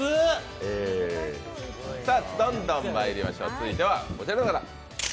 続いては、こちらの方。